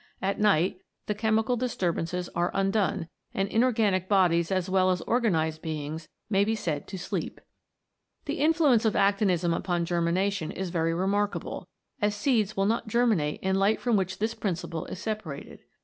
At night, the chemical disturbances are undone, and inorganic bodies as well as organized beings may be said to sleep ! The influence of actinism upon germination is very remarkable, as seeds will not germinate in light from which this principle is separated.